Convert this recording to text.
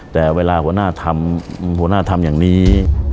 แต่เวลาหัวหน้าทำอย่างงี้